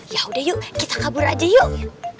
yaudah yuk kita kabur aja yuk